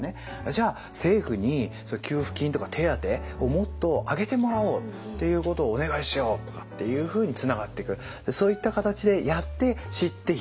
じゃあ政府に給付金とか手当をもっと上げてもらおうっていうことをお願いしよう！とかっていうふうにつながっていく。